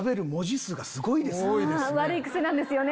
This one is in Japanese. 悪い癖なんですよね。